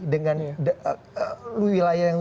dengan wilayah yang